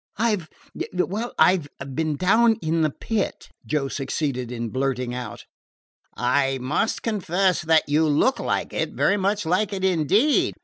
"I 've well, I 've been down in the Pit," Joe succeeded in blurting out. "I must confess that you look like it very much like it indeed." Mr.